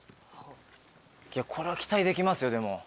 これ期待できますよでも。